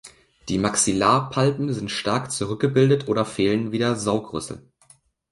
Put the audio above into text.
Die Maxillarpalpen sind stark zurückgebildet oder fehlen, wie der Saugrüssel.